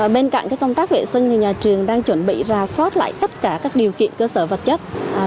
bên cạnh công tác vệ sinh thì nhà trường đang chuẩn bị ra soát lại tất cả các điều kiện cơ sở vật chất